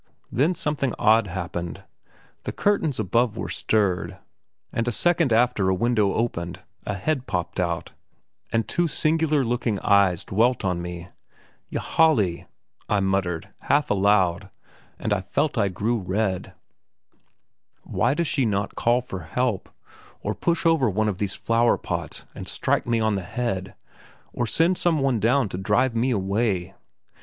Then something odd happened. The curtains above were stirred, and a second after a window opened, a head popped out, and two singular looking eyes dwelt on me. "Ylajali!" I muttered, half aloud, and I felt I grew red. Why does she not call for help, or push over one of these flower pots and strike me on the head, or send some one down to drive me away?